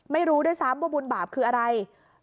ไม่รู้ด้วยซ้ำว่าบุญบาปคืออะไร